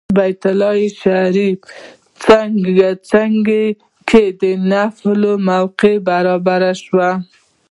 بیت الله شریف څنګ کې د نفل موقع برابره شوه.